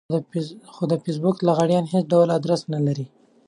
خو د فېسبوک لغړيان هېڅ ډول ادرس نه لري.